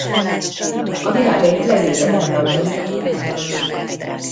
A világ egyik legnézettebb rajzos csatornája az övé.